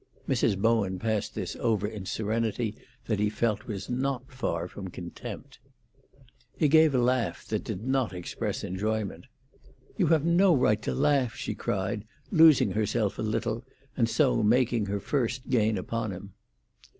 Mrs. Bowen passed this over in serenity that he felt was not far from contempt. He gave a laugh that did not express enjoyment. "You have no right to laugh!" she cried, losing herself a little, and so making her first gain upon him.